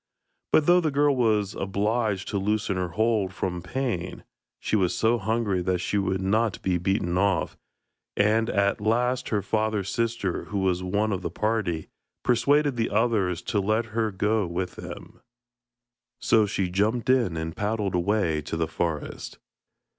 But though the girl was obliged to loosen her hold from pain, she was so hungry that she would not be beaten off, and at last her father's sister, who was one of the party, persuaded the others to let her go with them. So she jumped in and paddled away to the forest.